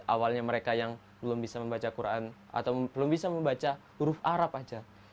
awalnya mereka yang belum bisa membaca quran atau belum bisa membaca huruf arab aja